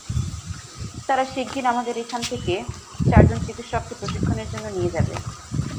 তারা শিগগির আমাদের এখান থেকে চারজন চিকিৎসককে প্রশিক্ষণের জন্য নিয়ে যাবে।